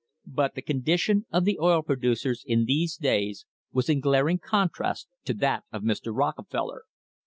But the condition of the oil producer in these days was in glaring contrast to that of Mr. Rockefeller.